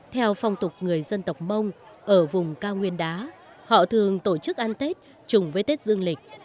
theo phong tục người dân tộc mông ở vùng cao nguyên đá họ thường tổ chức ăn tết trùng với tết dương lịch